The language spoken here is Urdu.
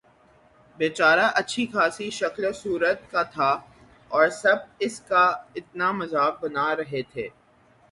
بے چارہ اچھی خاصی شکل صورت کا تھا اور سب اس کا اتنا مذاق بنا رہے تھے